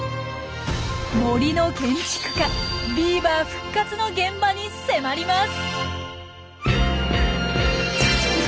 森の建築家ビーバー復活の現場に迫ります！